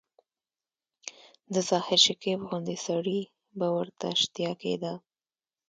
د ظاهر شکیب غوندي سړي به ورته شتیا کېده.